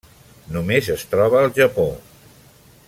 Només es troba al Japó.